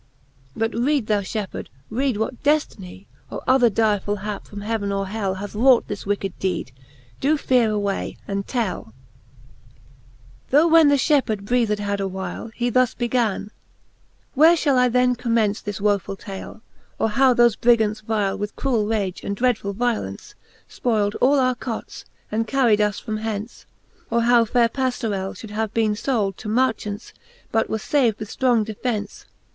But read thou, fhepheard, read what deftiny. Or other dyrefull hap from heaven or hell, Hath wrought this wicked deed 3 doe feare away,, and telll XXX. THo> S7^ ^^ /^ifje Booke of Canto XL XXX. Tho when the fhepheard breathed had a whyle, He thus began ; Where fhall I then commence This wofull tale ? or how thofe Brigants vyle. With cruell rage and dreadful! violence, Spoyld all our cots, and carried us from hence ? Or how faire Paflorell fhould have bene fold To marchants, but was fav'd with ftrong defence